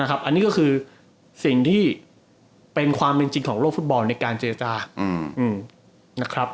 อันนี้ก็คือสิ่งที่เป็นความเป็นจริงของโลกฟุตบอลในการเจรจานะครับ